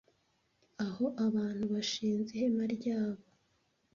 Aho abantu bashinze ihema ryabo!